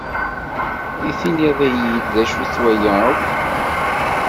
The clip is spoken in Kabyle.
I tinid-iyi-d d acu-t waya akk?